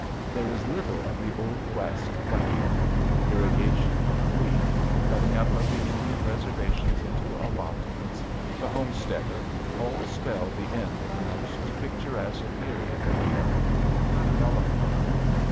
There is little of the old West left. Irrigation, wheat, the cutting up of the Indian reservations into allotments, the homesteader, all spell the end of the most picturesque period of America's development.